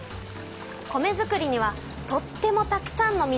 米づくりにはとってもたくさんの水が必要なの。